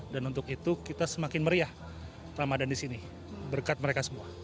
dan untuk itu kita semakin meriah ramadhan di sini berkat mereka semua